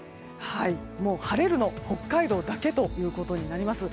晴れるのが北海道だけということになります。